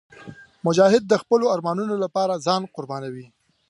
مجاهد د خپلو ارمانونو لپاره ځان قربانوي.